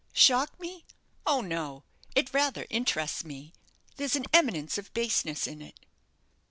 "Shock me? Oh no! It rather interests me; there's an eminence of baseness in it."